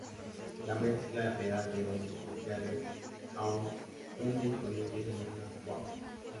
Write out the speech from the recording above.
La mezcla real de un-social es aún un-disponible en una Wham!